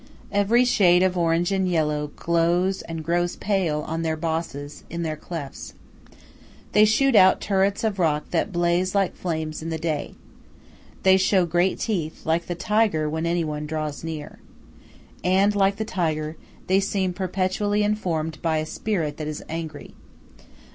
Every shade of orange and yellow glows and grows pale on their bosses, in their clefts. They shoot out turrets of rock that blaze like flames in the day. They show great teeth, like the tiger when any one draws near. And, like the tiger, they seem perpetually informed by a spirit that is angry.